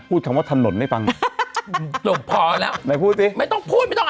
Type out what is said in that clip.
คำว่าถนนให้ฟังจบพอแล้วไหนพูดสิไม่ต้องพูดไม่ต้องเอา